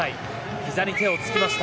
ひざに手をつきました。